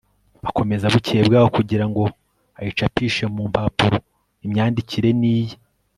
akomeza bukeye bwaho kugira ngo ayicapishe mu mpapuro. imyandikire ni iye